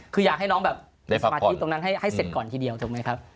คืออยากให้น้องแบบสมาธิตรงนั้นให้เสร็จก่อนทีเดียวถูกไหมครับ